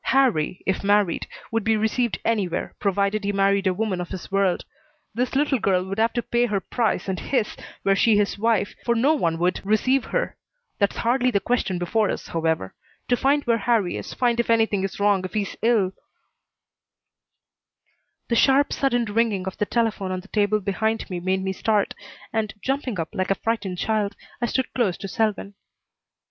Harrie, if married, would be received anywhere, provided he married a woman of his world. This little girl would have to pay her price and his, were she his wife, for no one would receive her. That's hardly the question before us, however. To find where Harrie is, find if anything is wrong, if he's ill " The sharp, sudden ringing of the telephone on the table behind me made me start, and, jumping up like a frightened child, I stood close to Selwyn.